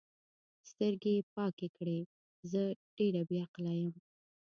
سترګې یې پاکې کړې: زه ډېره بې عقله یم.